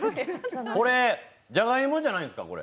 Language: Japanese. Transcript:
これ、じゃがいもじゃないんですか？